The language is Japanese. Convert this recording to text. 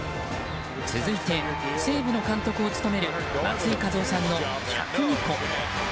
続いて、西武の監督を務める松井稼頭央さんの１０２個。